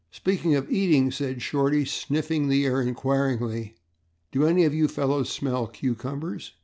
"Speaking of eating," said Shorty, sniffing the air inquiringly, "do any of you fellows smell cucumbers?"